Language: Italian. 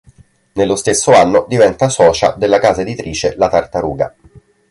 Nello stesso anno diventa socia della casa editrice "La Tartaruga".